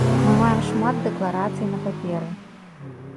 Мы маем шмат дэкларацый на паперы.